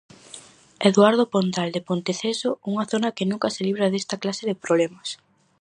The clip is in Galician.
Eduardo Pondal de Ponteceso, unha zona que nunca se libra desta clase de problemas.